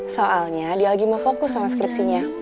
soalnya dia lagi mau fokus sama skripsinya